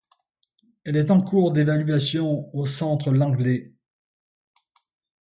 Elle est en cours d'évaluation au centre Langley.